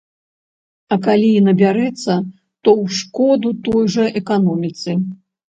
А калі і набярэцца, то ў шкоду той жа эканоміцы.